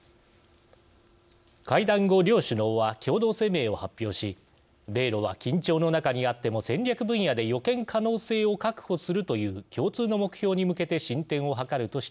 会談後両首脳は共同声明を発表し「米ロは緊張の中にあっても戦略分野で予見可能性を確保するという共通の目標に向けて進展を図る」としています。